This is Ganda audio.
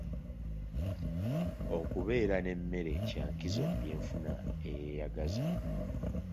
Okubeera n'emmere kya nkizo mu by'enfuna eyeeyagaza.